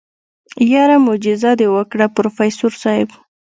يره موجيزه دې وکړه پروفيسر صيب.